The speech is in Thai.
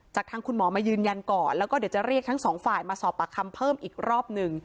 ทางคุณหมอมายืนยันก่อนแล้วก็เดี๋ยวจะเรียกทั้งสองฝ่ายมาสอบปากคำเพิ่มอีกรอบหนึ่ง